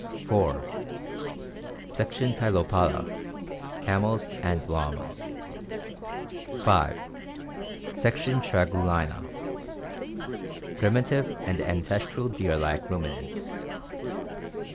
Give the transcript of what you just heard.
(4) Section Tylopoda. Camels and llamas. (5) Section Tragulina. Primitive and ancestral deer like rumi nants.